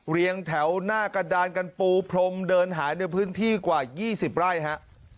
เรียงแถวหน้ากระดานกันปูพรมเดินหายในพื้นที่กว่า๒๐ไร่ฮะ